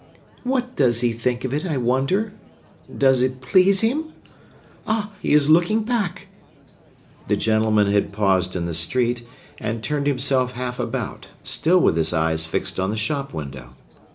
"What does he think of it, I wonder? Does it please him? Ah! he is looking back!" The gentleman had paused in the street, and turned himself half about, still with his eyes fixed on the shop window.